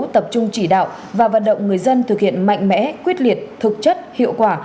tập trung chỉ đạo và vận động người dân thực hiện mạnh mẽ quyết liệt thực chất hiệu quả